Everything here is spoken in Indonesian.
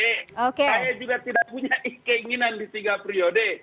saya juga tidak punya keinginan di tiga periode